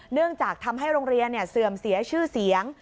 เนื่องจากทำให้โรงเรียนเสื่อมเสียชื่อเสียง